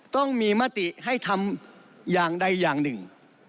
ต้องมีมติให้ทำอย่างใดอย่างหนึ่ง